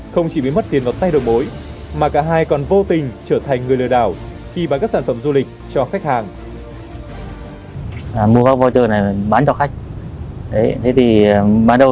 không chỉ bị mất tiền vào tay đầu mối mà cả hai còn vô tình trở thành người lừa đảo khi bán các sản phẩm du lịch cho khách hàng